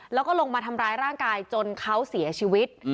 แล้วก็ลงมาทำร้ายร่างกายจนเขาเสียชีวิต